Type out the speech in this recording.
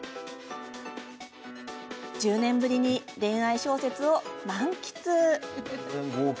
１０年ぶりに恋愛小説を満喫。